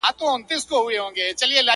جنونه اوس مي پښو ته زولنې لرې که نه,